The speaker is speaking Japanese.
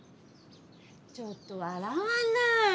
ちょっと笑わない！